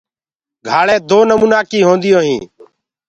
گھآݪینٚ دو نمونآ ڪي هونديو هينٚ۔